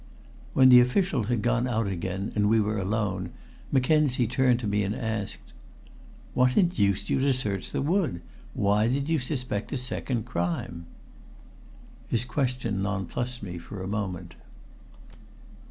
When the official had gone out again and we were alone, Mackenzie turned to me and asked "What induced you to search the wood? Why did you suspect a second crime?" His question nonplused me for the moment.